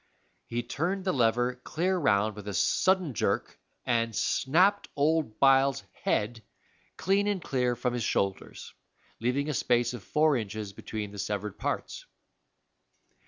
He turned the lever clear round with a sudden jerk, and snapped old Byles's head clean and clear from his shoulders, leaving a space of four inches between the severed parts!